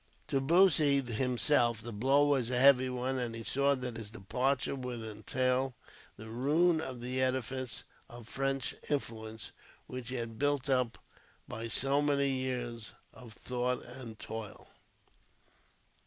To Bussy himself, the blow was a heavy one, and he saw that his departure would entail the ruin of the edifice of French influence, which he had built up by so many years of thought and toil.